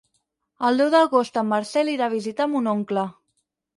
El deu d'agost en Marcel irà a visitar mon oncle.